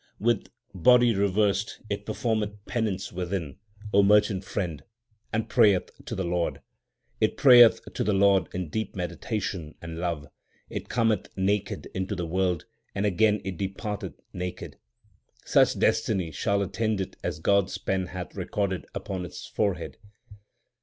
With body reversed it performeth penance within, O merchant friend, and prayeth to the Lord It prayeth to the Lord in deep meditation and love. It cometh naked into the world, and again it departeth naked. Such destiny shall attend it as God s pen hath recorded upon its forehead.